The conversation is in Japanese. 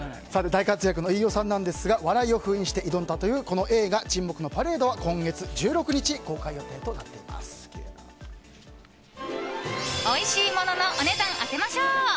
大活躍の飯尾さんなんですが笑いを封印して挑んだという映画「沈黙のパレード」はおいしいもののお値段当てまＳＨＯＷ！